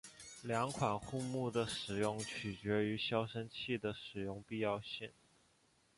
两款护木的使用取决于消声器的使用必要性。